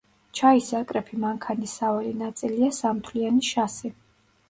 ჩაის საკრეფი მანქანის სავალი ნაწილია სამთვლიანი შასი.